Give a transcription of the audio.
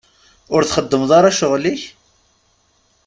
Ur txeddmeḍ ara ccɣel-ik?